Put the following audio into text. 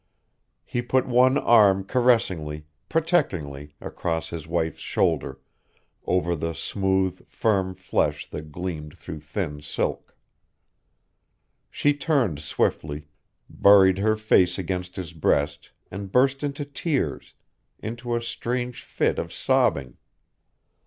He put one arm caressingly, protectingly, across his wife's shoulder, over the smooth, firm flesh that gleamed through thin silk. She turned swiftly, buried her face against his breast and burst into tears, into a strange fit of sobbing.